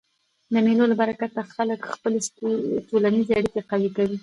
د مېلو له برکته خلک خپلي ټولنیزي اړیکي قوي کوي.